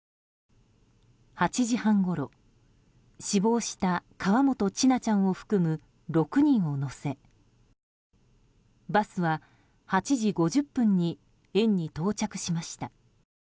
８時半ごろ死亡した河本千奈ちゃんを含む６人を乗せバスは８時５０分に園に到着しました。